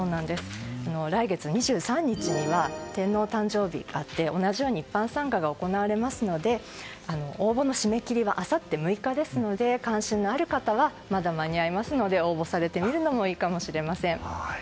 来月２３日には天皇誕生日があって同じように一般参賀が行われますので応募の締め切りはあさって６日ですので関心のある方はまだ間に合いますので応募されてみるのもいいかもしれません。